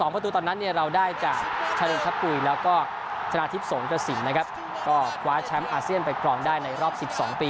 ๒ประตูตอนนั้นเราได้จากขนาดทิพย์โภคกระสินคว้าแชมป์อะเซียนไปปล่องได้ในรอบ๑๒ปี